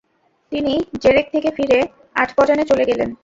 তিনি জেরেক থেকে ফিরে আটপজানে চলে গেলেন।